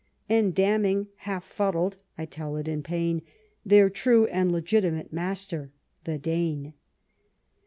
And damning, half fuddled (I tell it in pain), Their true and legitimate master — ^the Dane